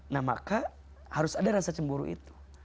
nah maka harus ada rasa cemburu itu